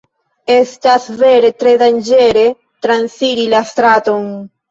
Estas vere tre danĝere transiri la straton.